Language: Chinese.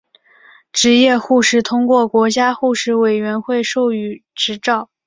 执业护士通过国家护士委员会授予执照。